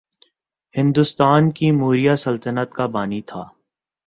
ہندوستان کی موریا سلطنت کا بانی تھا